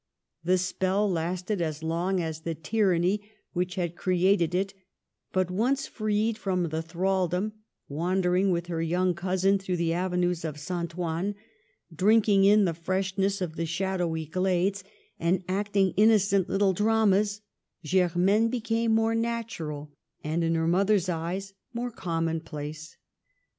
The spell lasted as long as the tyranny which had created it; but once freed from the thraldom, wandering with her young cousin through the avenues of St. Ouen, drinking in the freshness of the shadowy glades, and acting innocent little dramas, Germaine became more natural and, in her mother's eyes, more commonplace.